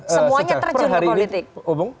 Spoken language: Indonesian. semuanya terjun ke politik